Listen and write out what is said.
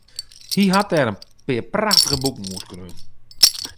Hy hat dêr in pear prachtige boeken oer skreaun.